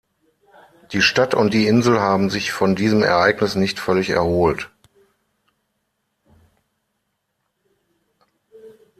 Die Stadt und die Insel haben sich von diesem Ereignis nicht völlig erholt.